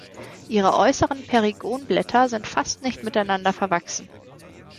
Ihre äußeren Perigonblätter sind fast nicht miteinander verwachsen.